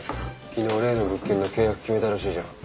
昨日例の物件の契約決めたらしいじゃん。